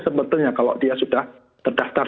sebetulnya kalau dia sudah terdaftar